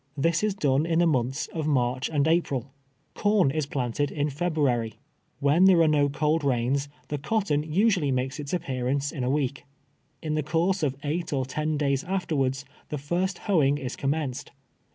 This is done in the months of March and April. Corn is planted in Feb ruary. When there are no cold rains, the cotton usu ally makes its appearance in a week. In the course of eight or ten days afterwards the first hoeing is commenced.